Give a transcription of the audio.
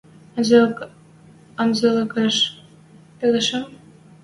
Анзыкылаш пелӓшем?